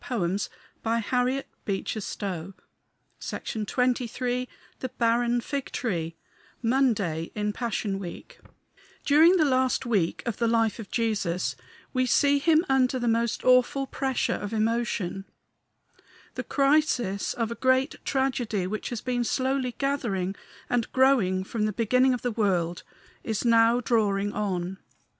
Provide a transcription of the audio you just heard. From that day the way to the cross was darker every hour. XXIII THE BARREN FIG TREE Monday in Passion Week During the last week of the life of Jesus we see him under the most awful pressure of emotion; the crisis of a great tragedy, which has been slowly gathering and growing from the beginning of the world, is now drawing on.